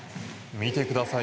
見てください。